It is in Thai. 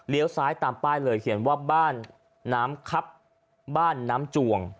ซ้ายตามป้ายเลยเขียนว่าบ้านน้ำครับบ้านน้ำจวง